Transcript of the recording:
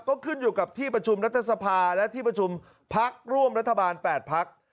ก็ขึ้นอยู่กับที่ประชุมรัฐสภาและที่ประชุมพักร่วมรัฐบาล๘พัก